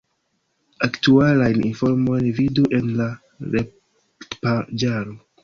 Aktualajn informojn vidu en la retpaĝaro.